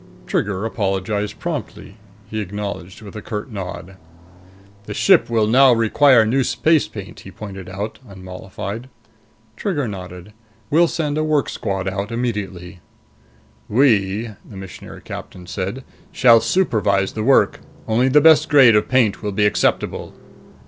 Trigger apologized promptly. He acknowledged with a curt nod. "The ship will now require new spacepaint," he pointed out, unmollified. Trigger nodded. "We'll send a work squad out immediately." "We," the Missionary Captain said, "shall supervise the work. Only the best grade of paint will be acceptable!"